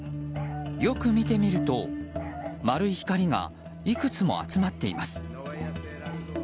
よく見てみると丸い光がいくつも集まっています。